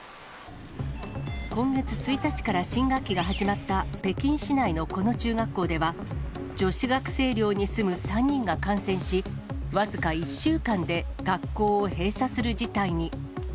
今月１日から新学期が始まった北京市内のこの中学校では、女子学生寮に住む３人が感染し、僅か１週間で学校を閉鎖する事態に。